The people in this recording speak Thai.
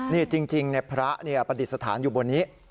นี่จริงพระประดิษฐานอยู่บนนี้